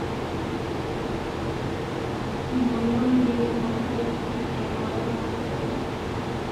مایان ډېر ماهر معماران وو.